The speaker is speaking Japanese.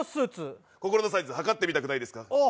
心のサイズ、測ってみたくないですか？